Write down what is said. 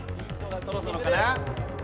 そろそろかな？